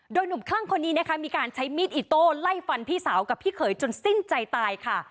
โดยหนุ่มคลั่งคนนี้นะคะมีการใช้มีดอิโต้ไล่ฟันพี่สาวกับพี่เขยจนสิ้นใจตายค่ะ